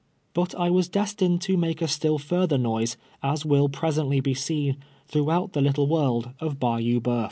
Bnt I was destined to make a still further noise, as will presently be seen, through out the little world of Bajou Boiuf.